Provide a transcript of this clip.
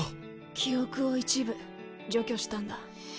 記憶を一部除去したんだ。